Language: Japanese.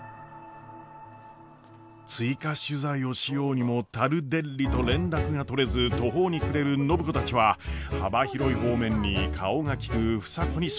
追加取材をしようにもタルデッリと連絡が取れず途方に暮れる暢子たちは幅広い方面に顔が利く房子に相談。